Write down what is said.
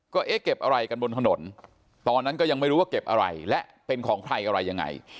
ก็เอ๊ะเก็บอะไรกันบนถนนตอนนั้นก็ยังไม่รู้ว่าเก็บอะไรและเป็นของใครอะไรยังไง